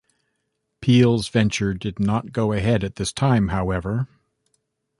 Peel's venture did not go ahead at this time, however.